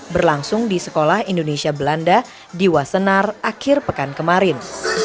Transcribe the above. berlangsung di sekolah indonesia belanda di wasenar akhir pekan kemarin